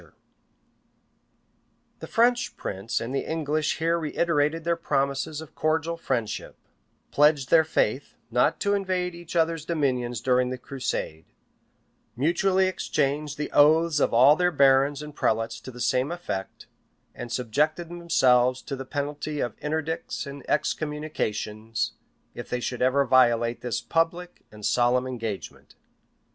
[* Hoveden, p. 660.] [ Vinisnuf, p. 305] The French prince and the English here reiterated their promises of cordial friendship, pledged their faith not to invade each other's dominions during the crusade, mutually exchanged the oaths of all their barons and prelates to the same effect, and subjected themselves to the penalty of interdicts and excommunications, if they should ever violate this public and solemn engagement.